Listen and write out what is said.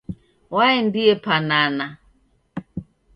Waendie panana.